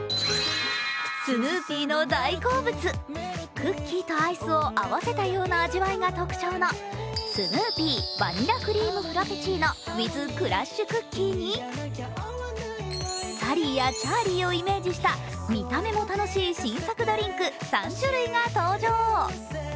スヌーピーの大好物、クッキーとアイスを合わせたような味が特徴の、スヌーピーバニラクリームフラペチーノｗｉｔｈクラッシュクッキーにサリーやチャーリーをイメージした見た目も楽しい新作ドリンク３種類が登場。